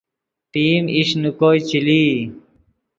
پئیم ایش نے کوئے چے لئی